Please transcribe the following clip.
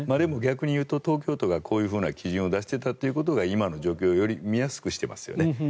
逆に言うと東京都がこういう基準を出していたということが今の状況をより見やすくしていますよね。